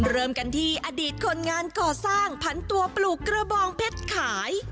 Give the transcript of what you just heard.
เริ่มกันที่อดีตคนงานก่อสร้างพันตัวปลูกกระบองเพชรขาย